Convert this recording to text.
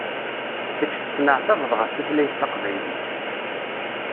Kečč tettneɛtabeḍ ɣef tutlayt taqbaylit.